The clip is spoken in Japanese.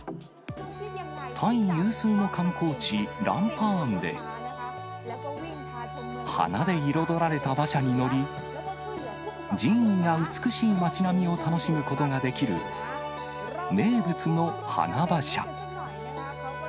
タイ有数の観光地、ランパーンで、花で彩られた馬車に乗り、寺院や美しい町並みを楽しむことができる、名物の花馬車。